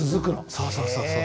そうそうそうそう。